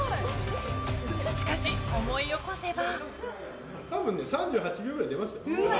しかし、思い起こせば。